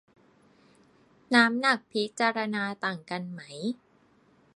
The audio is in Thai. น้ำหนักพิจารณาต่างกันไหม